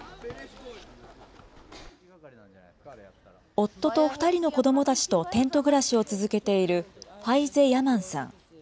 夫と２人の子どもたちとテント暮らしを続けている、ファイゼ・ヤマンさん。